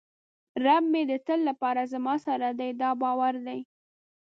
رب مې د تل لپاره زما سره دی دا باور دی.